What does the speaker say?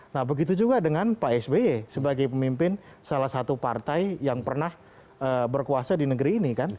nah begitu juga dengan pak sby sebagai pemimpin salah satu partai yang pernah berkuasa di negeri ini kan